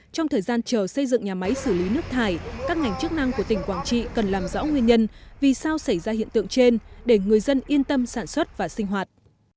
trong thời gian chờ xây dựng nhà máy xử lý nước thải các ngành chức năng của tỉnh quảng trị cần làm rõ nguyên nhân vì sao xảy ra hiện tượng trên để người dân yên tâm sản xuất và sinh hoạt